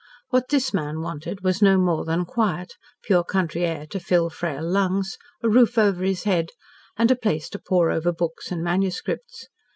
What this man wanted was no more than quiet, pure country air to fill frail lungs, a roof over his head, and a place to pore over books and manuscripts.